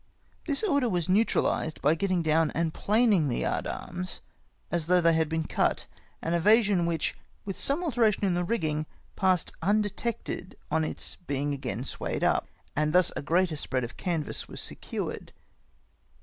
Tliis order was neutralised by getting down and planing the j^ard ai'ms as though they had been cut, an evasion which, with some alteration in the rigging, passed undetected on its being again swayed up ; and thus a greater spread of canvas was secured.